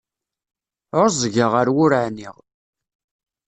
Ɛuẓẓgeɣ, ar wur ɛniɣ.